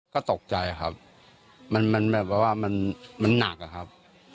ก็ตกใจครับมันแบบว่ามันหนักอะครับ